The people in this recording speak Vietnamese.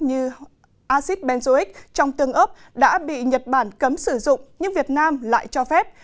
như acid benzoic trong tưng ớt đã bị nhật bản cấm sử dụng nhưng việt nam lại cho phép